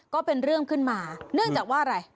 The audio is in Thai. ก็เป็นเรื่องขึ้นมาเนื่องจากว่าอะไร